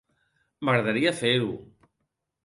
M'agradaria fer-ho.